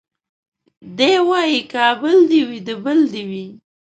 دی وايي کابل دي وي د بل دي وي